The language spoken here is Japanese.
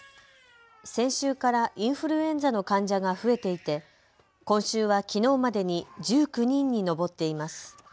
先週からインフルエンザの患者が増えていて今週はきのうまでに１９人に上っています。